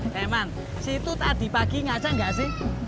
hei man si itu tadi pagi ngaca nggak sih